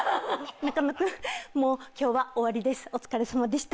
中野君もう今日は終わりですお疲れさまでした。